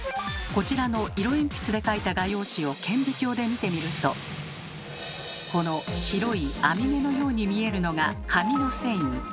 こちらの色鉛筆で描いた画用紙を顕微鏡で見てみるとこの白い網目のように見えるのが紙の繊維。